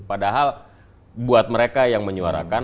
padahal buat mereka yang menyuarakan